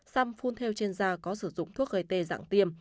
xăm phun theo trên da có sử dụng thuốc gây tê dạng tiêm